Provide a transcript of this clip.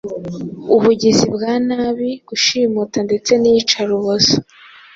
ubugizi bwa nabi, gushimuta ndetse n'iyicarubozo.